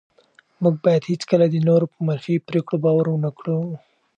موږ باید هېڅکله د نورو په منفي پرېکړو باور ونه کړو.